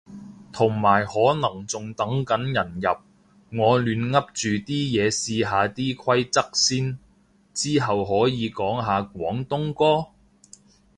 同埋可能仲等緊人入，我亂噏住啲嘢試下啲規則先。之後可以講下廣東歌？